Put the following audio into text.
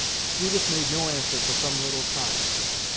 Judith made no answer for some little time.